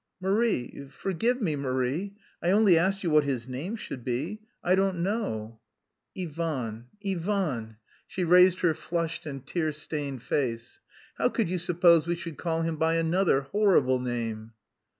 "Marie, forgive me, Marie... I only asked you what his name should be. I don't know...." "Ivan, Ivan." She raised her flushed and tear stained face. "How could you suppose we should call him by another horrible name?"